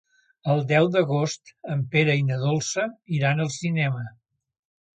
El deu d'agost en Pere i na Dolça iran al cinema.